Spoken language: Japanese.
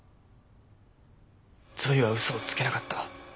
ゾイは嘘をつけなかった。